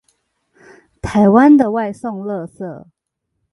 台灣的外送垃圾